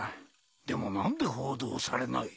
でも何で報道されない？